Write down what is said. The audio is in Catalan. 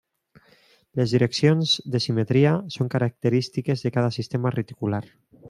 Les direccions de simetria són característiques de cada sistema reticular.